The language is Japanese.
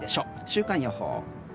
週間予報。